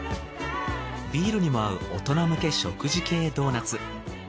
ビールにも合う大人向け食事系ドーナツ。